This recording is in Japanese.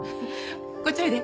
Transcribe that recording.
こっちおいで